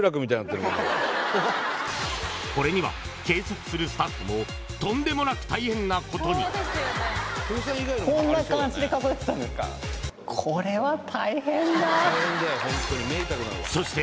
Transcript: これには計測するスタッフもとんでもなく大変なことにそして